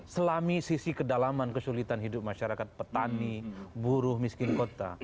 selami sisi kedalaman kesulitan hidup masyarakat petani buruh miskin kota